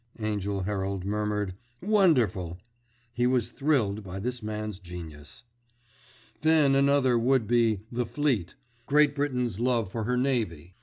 Angell Herald murmured. "Wonderful!" He was thrilled by this man's genius. "Then another would be 'The Fleet'—Great Britain's Love for Her Navy.